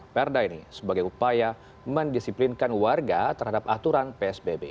perda ini sebagai upaya mendisiplinkan warga terhadap aturan psbb